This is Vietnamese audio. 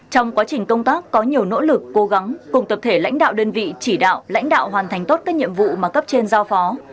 trong quá trình công tác có nhiều nỗ lực cố gắng cùng tập thể lãnh đạo đơn vị chỉ đạo lãnh đạo hoàn thành tốt các nhiệm vụ mà cấp trên giao phó